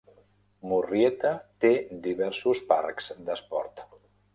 Murrieta té diversos parcs d'esport.